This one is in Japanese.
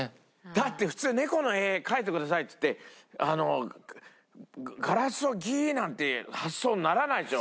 だって普通猫の絵描いてくださいっつってガラスをギーッ！なんて発想にならないでしょ。